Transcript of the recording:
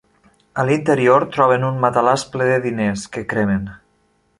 A l"interior, troben un matalàs ple de diners, que cremen.